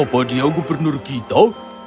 apa dia gubernur kita